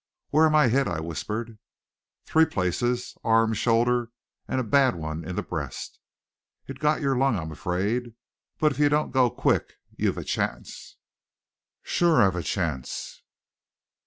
"Where'm I hit?" I whispered. "Three places. Arm, shoulder, and a bad one in the breast. It got your lung, I'm afraid. But if you don't go quick, you've a chance." "Sure I've a chance."